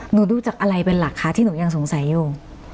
หนูดูจากอะไรเป็นหลักคะที่หนูยังสงสัยอยู่